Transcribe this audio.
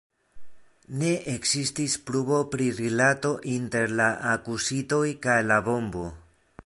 Ne ekzistis pruvo pri rilato inter la akuzitoj kaj la bombo.